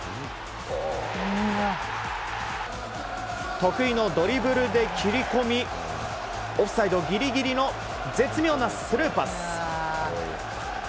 得意のドリブルで切り込みオフサイドギリギリの絶妙なスルーパス。